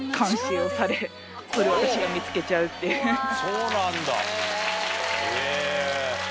そうなんだへぇ。